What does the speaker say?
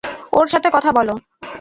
ওর সাথে কথা বলো!